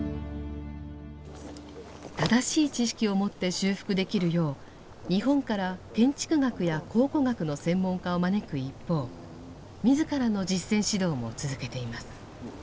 正しい知識を持って修復できるよう日本から建築学や考古学の専門家を招く一方自らの実践指導も続けています。